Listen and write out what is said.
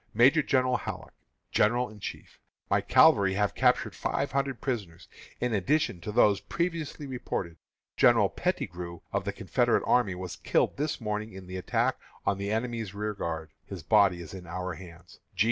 Major General Halleck, General in Chief: My cavalry have captured five hundred prisoners, in addition to those previously reported. General Pettigrew, of the Confederate army, was killed this morning in the attack on the enemy's rearguard. His body is in our hands.